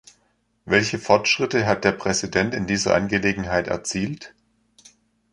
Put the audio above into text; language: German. Welche Fortschritte hat der Präsident in dieser Angelegenheit erzielt?